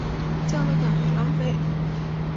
叫了等于浪费